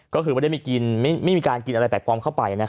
ก็คือไม่ได้มีการกินอะไรแปลกปลอมเข้าไป